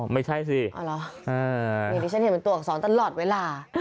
ไม่ใช่สิอ้าวเหรอแน้นนี่ฉันเห็นเหมือนตัวกสองตลอดเวลา